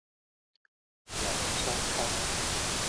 萊索托